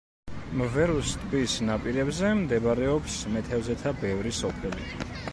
მვერუს ტბის ნაპირებზე მდებარეობს მეთევზეთა ბევრი სოფელი.